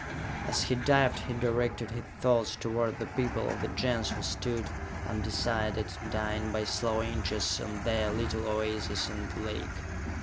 As he dived he directed his thoughts toward the people of the Gens who stood, undecided, dying by slow inches, on their little oases in the lake.